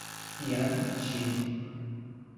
Yang Zhi